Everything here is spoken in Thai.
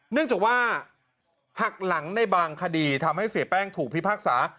เนื่องจากว่าหักหลังในบางคดีทำให้เสียแป้งถูกพิพากษา